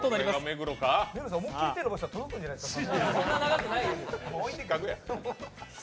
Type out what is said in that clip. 目黒さん、思いっきり手伸ばしたら届くんじゃないですか？